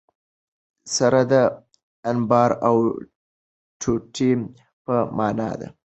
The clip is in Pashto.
سره د انبار او ټوټي په مانا ده.